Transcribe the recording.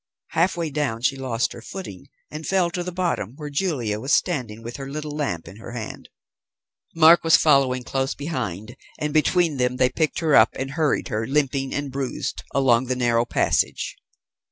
Half way down she lost her footing, and fell to the bottom, where Julia was standing with her little lamp in her hand. Mark was following close behind, and between them they picked her up and hurried her, limping and bruised, along the narrow passage.